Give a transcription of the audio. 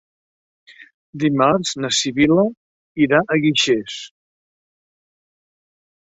Dimarts na Sibil·la irà a Guixers.